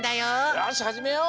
よしはじめよう！